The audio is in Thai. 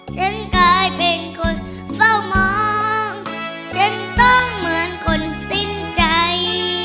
ฉันกลายเป็นคนเฝ้ามองฉันต้องเหมือนคนสิ้นใจ